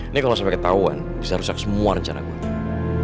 ini kalau sampai ketahuan bisa rusak semua rencana gue